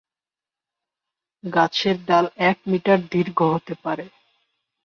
গাছের ডাল এক মিটার দীর্ঘ হতে পারে।